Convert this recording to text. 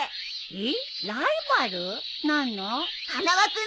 えっ！？